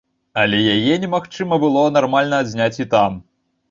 Але яе немагчыма было нармальна адзняць і там!